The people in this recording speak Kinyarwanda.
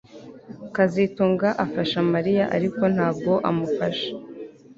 kazitunga afasha Mariya ariko ntabwo amufasha